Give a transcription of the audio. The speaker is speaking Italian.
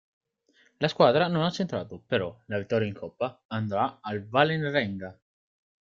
La squadra non ha centrato, però, la vittoria in Coppa, andata al Vålerenga.